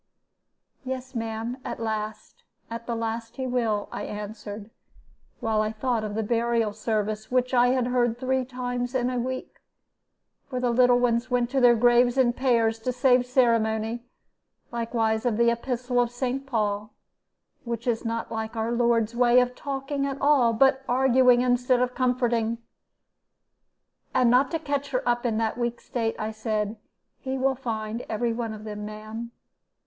"'Yes, ma'am, at last, at the last he will,' I answered, while I thought of the burial service, which I had heard three times in a week for the little ones went to their graves in pairs to save ceremony; likewise of the Epistle of Saint Paul, which is not like our Lord's way of talking at all, but arguing instead of comforting. And not to catch her up in that weak state, I said, 'He will find every one of them, ma'am.'